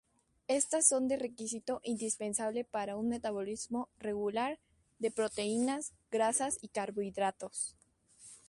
Estas son de requisito indispensable para un metabolismo regular de proteínas, grasas y carbohidratos.